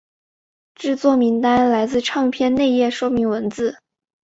制作名单来自唱片内页说明文字。